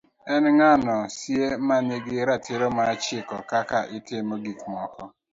en ng'ano sie ma nigi ratiro mar chiko kaka itimo gik moko